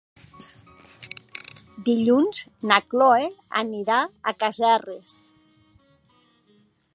Dilluns na Chloé anirà a Casserres.